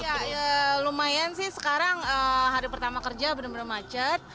ya lumayan sih sekarang hari pertama kerja benar benar macet